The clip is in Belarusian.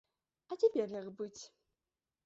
А цяпер як быць?